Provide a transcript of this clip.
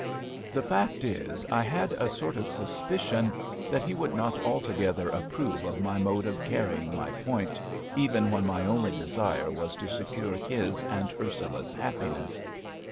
The fact is, I had a sort of suspicion that he would not altogether approve of my mode of carrying my point, even when my only desire was to secure his and Ursula's happiness.